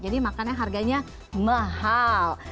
jadi makannya harganya mahal